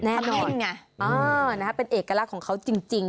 น่ารักเอ๊ะเป็นเอกลักษณ์ของเขาจริง